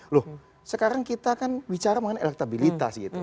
loh sekarang kita kan bicara mengenai elektabilitas gitu